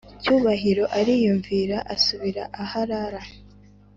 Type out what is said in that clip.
cyubahiro ariyumvira asubira aharara!